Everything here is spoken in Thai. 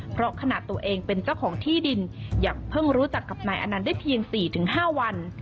เพราะขณะตัวเองเป็นเจ้าของที่ดินยังเพิ่งรู้จักกับนายอนันต์ได้เพียง๔๕วัน